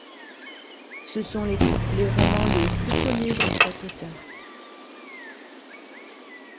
Ce sont les romans les plus connus de cet auteur.